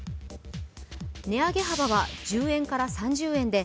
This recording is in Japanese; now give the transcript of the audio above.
値上げ幅は１０円から３０円で